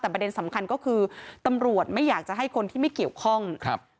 แต่ประเด็นสำคัญก็คือตำรวจไม่อยากจะให้คนที่ไม่เกี่ยวข้องครับ